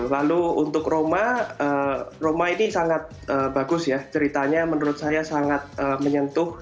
lalu untuk roma roma ini sangat bagus ambasannya menurut saya banget menyentuh berarti menb